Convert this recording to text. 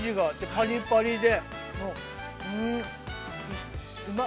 パリパリで。